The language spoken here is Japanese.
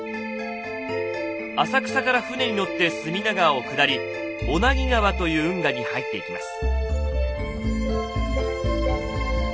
浅草から船に乗って隅田川を下り小名木川という運河に入っていきます。